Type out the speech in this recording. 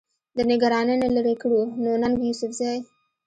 د نګرانۍ نه لرې کړو، نو ننګ يوسفزۍ